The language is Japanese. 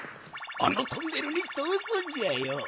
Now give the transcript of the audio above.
あのトンネルにとおすんじゃよ。